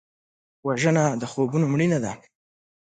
وژنه د خوبونو مړینه ده